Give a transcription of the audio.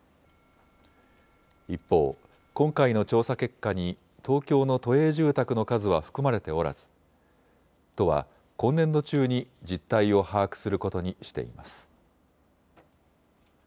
一方、今回の調査結果に東京の都営住宅の数は含まれておらず都は今年度中に実態を把握することにしています。